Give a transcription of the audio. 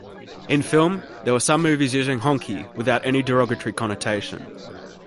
In film, there were some movies using "honky" without any derogatory connotation.